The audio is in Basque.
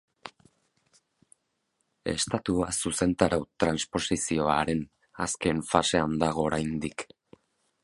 Estatua, zuzentarau transposizioaren azken fasean dago oraindik.